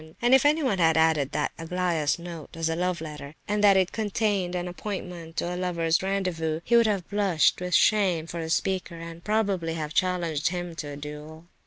And if anyone had added that Aglaya's note was a love letter, and that it contained an appointment to a lover's rendezvous, he would have blushed with shame for the speaker, and, probably, have challenged him to a duel.